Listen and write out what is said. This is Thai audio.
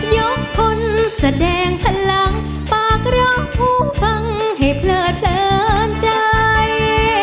ยกผลแสดงพลังปากร้องผู้พังให้เพลิดเพลินใจ